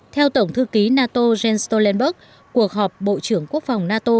theo tổng thư ký nato jens stolenberg cuộc họp bộ trưởng quốc phòng nato